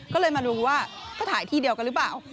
ก็เลยมารู้ว่าเขาถ่ายที่เดียวกันหรือเปล่า